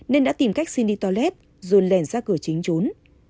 nên đã tìm cách xin đi toilet ruồn lèn ra cửa chính trốn